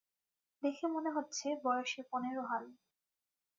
দেখে মনে হচ্ছে, বয়সে পনেরো হবে।